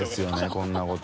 こんなこと。